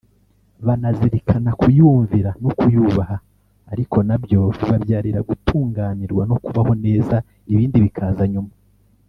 banazirikana kuyumvira no kuyubaha ariko nabyo bibabyarira gutunganirwa no kubaho neza ibindi bikaza nyuma